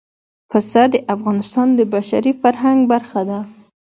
پسه د افغانستان د بشري فرهنګ برخه ده.